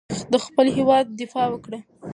د خپل هېواد دفاع وکړه.